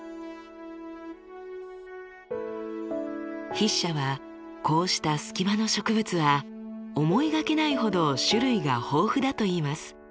筆者はこうしたスキマの植物は思いがけないほど種類が豊富だと言います。